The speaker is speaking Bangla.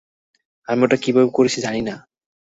আমি ওটা কীভাবে করেছি জানি না।